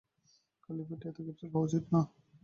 খালি পেটে এত ক্যাপসুল খাওয়া উচিৎ না।